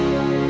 ndur juga asal